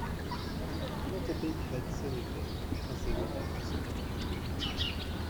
Not a big-head silly thing, as they would like to say.